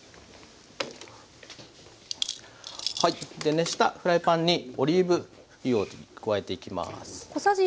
熱したフライパンにオリーブ油を加えていきます。